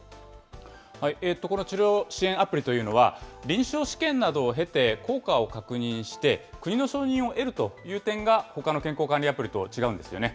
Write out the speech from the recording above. この治療支援アプリというのは、臨床試験などを経て、効果を確認して、国の承認を得るという点が、ほかの健康管理アプリと違うんですよね。